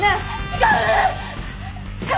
違う！